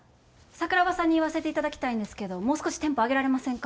桜庭さんに言わせていただきたいんですけどもう少しテンポ上げられませんか？